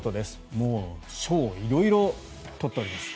もう、賞を色々取っております。